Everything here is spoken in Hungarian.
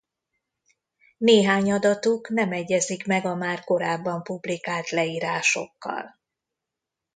Néhány adatuk nem egyezik meg a már korábban publikált leírásokkal.